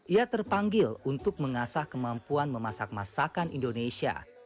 ia terpanggil untuk mengasah kemampuan memasak masakan indonesia